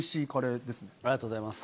ありがとうございます！